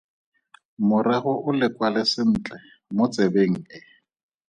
Morago o le kwale sentle mo tsebeng e.